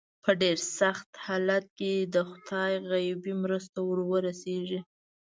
په ډېر سخت حالت کې د خدای غیبي مرسته ور ورسېږي.